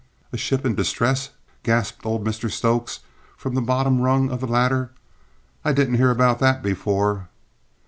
"A ship in distress?" gasped old Mr Stokes from the bottom rung of the ladder. "I didn't hear about that before."